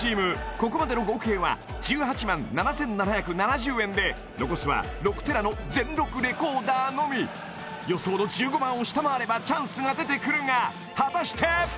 ここまでの合計は１８万７７７０円で残すは６ＴＢの全録レコーダーのみ予想の１５万を下回ればチャンスが出てくるが果たして？